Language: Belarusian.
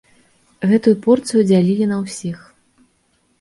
Гэтую порцыю дзялілі на ўсіх.